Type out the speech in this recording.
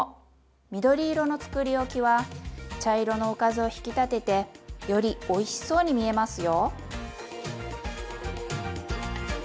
緑色のつくりおきは茶色のおかずを引き立ててよりおいしそうに見えますよ。